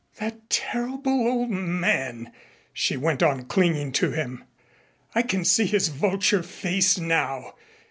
"That terrible old man!" she went on clinging to him. "I can see his vulture face now.